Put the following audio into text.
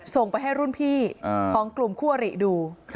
ส่งไปให้รุ่นพี่ของกลุ่มคั่วเหลี่ดู